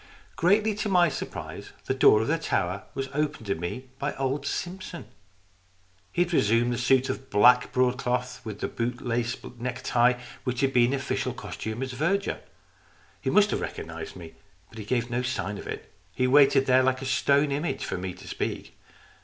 Greatly to my surprise the door of the tower was opened to me by old Simpson. He had re sumed the suit of black broadcloth, with the boot lace neck tie, which had been his official costume as verger. He must have recognized me, but he gave no sign of it. He waited there like a stone image for me to speak.